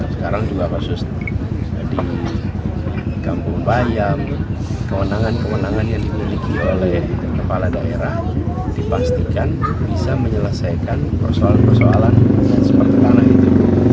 sekarang juga kasus di kampung bayam kewenangan kewenangan yang dimiliki oleh kepala daerah dipastikan bisa menyelesaikan persoalan persoalan seperti tanah itu